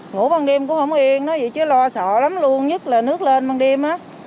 ngủ ban đêm cũng không yên nó vậy chứ lo sợ lắm luôn nhất là nước lên ban đêm á